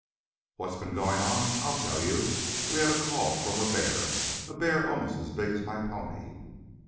"What's been going on? I'll tell you. We had a call from a bear, a bear almost as big as my pony."